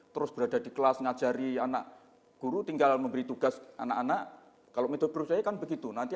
terus berada di kelas ngajari anak guru tinggal memberi tugas anak anak kalau metod percaya kan begitu nanti